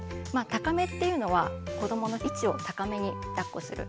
高めっていうのは子どもの位置を高めにだっこする。